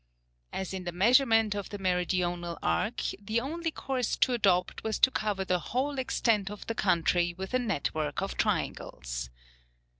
As in the measurement of the Meridional arc, the only course to adopt was to cover the whole extent of the country with a network of triangles.